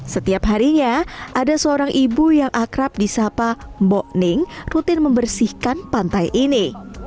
setiap harinya ada seorang ibu yang akrab di sapa mbokning rutin membersihkan pantai ini